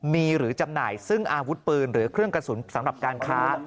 มีหรือจำหน่ายซึ่งอาวุธปืนหรือเครื่องกระสุนสำหรับการค้า